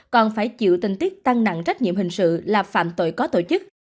còn phải chịu tình tiết tăng nặng trách nhiệm hình sự là phạm tội có tổ chức